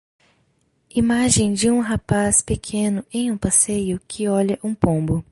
Imagem de um rapaz pequeno em um passeio que olha um pombo.